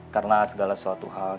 karena segala suatu hal